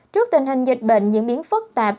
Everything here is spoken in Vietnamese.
trước tình hình dịch bệnh diễn biến phức tạp